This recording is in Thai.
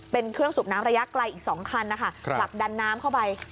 เป็นเครื่องสูบน้ำระยะไกลอีก๒คันนะคะผลักดันน้ำเข้าไป